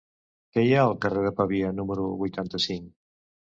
Què hi ha al carrer de Pavia número vuitanta-cinc?